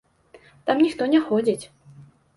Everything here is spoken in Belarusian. Там ніхто не ходзіць.